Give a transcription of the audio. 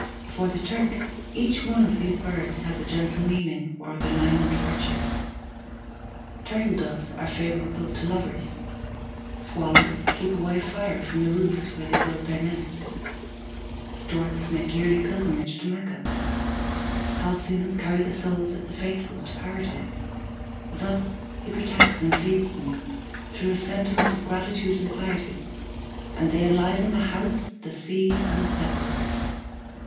For the Turk, each one of these birds has a gentle meaning, or a benignant virtue: Turtle doves are favorable to lovers, Swallows keep away fire from the roofs where they build their nests, Storks make yearly pilgrimage to Mecca, Halcyons carry the souls of the faithful to Paradise. Thus he protects and feeds them, through a sentiment of gratitude and piety; and they enliven the house, the sea, and the sepulchre.